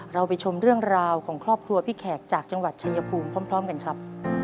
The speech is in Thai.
เราไปชมเรื่องราวของครอบครัวพี่แขกจากจังหวัดชายภูมิพร้อมกันครับ